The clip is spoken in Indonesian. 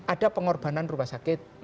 ada pengorbanan rumah sakit